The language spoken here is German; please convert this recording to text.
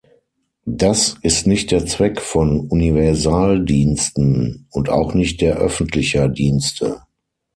Das ist nicht der Zweck von Universaldiensten und auch nicht der öffentlicher Dienste.